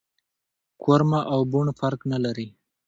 کورمه او بوڼ فرق نه لري